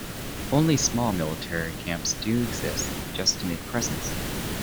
Only small military camps do exist just to make presence.